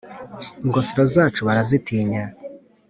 Ingofero zacu barazitinya